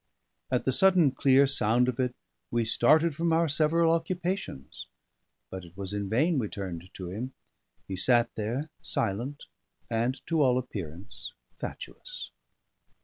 At the sudden clear sound of it we started from our several occupations; but it was in vain we turned to him; he sat there silent, and, to all appearance, fatuous.